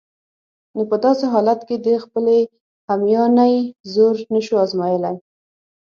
نو په داسې حالت کې د خپلې همیانۍ زور نشو آزمایلای.